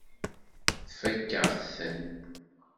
Tfakk-aɣ-ten.